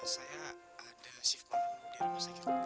saya ada shift ke orang di rumah sakit